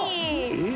「えっ？」